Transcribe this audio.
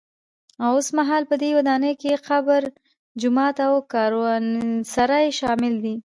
اوسمهال په دې ودانۍ کې قبر، جومات او کاروانسرای شامل دي.